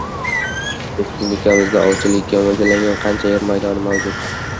Respublikamizda ovchilikka mo‘ljallangan qancha yer maydoni mavjud?